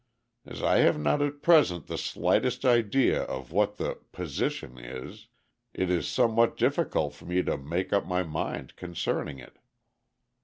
As I have not at present the slightest idea of what the 'position' is, it is somewhat difficult for me to make up my mind concerning it.